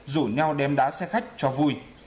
rủ nhau đem đá xe khách cho vui